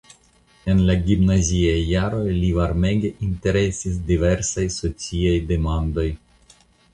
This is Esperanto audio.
En la gimnaziaj jaroj lin varmege interesis diversaj sociaj demandoj.